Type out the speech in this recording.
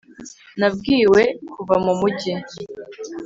nabwiwe kuva mu mujyi